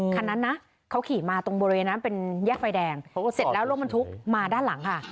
คันนั้นนะเขาขี่มาตรงบริเวณนั้นเป็นแยกไฟแดงเสร็จแล้วรถบรรทุกมาด้านหลังค่ะ